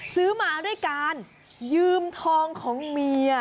ซื้อมาด้วยการยืมทองของเมีย